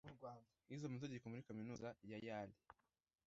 Yize amategeko muri kaminuza ya Yale.